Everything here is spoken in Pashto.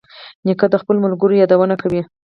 نیکه د خپلو ملګرو یادونه کوي.